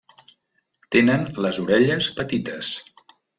Tenen les orelles petites.